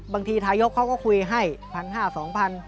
บางทีทายกเขาก็คุยให้๑๕๐๐๒๐๐บาท